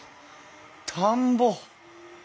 田んぼ！